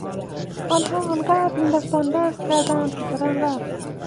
آنها آنقدر این دست و آن دست کردند که ترن رفت.